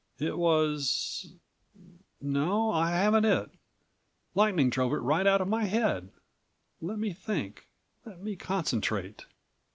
It was—no, I haven't it. Lightning drove it right out of my head. Let me think. Let me concentrate."